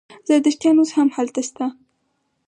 زردشتیان اوس هم هلته شته.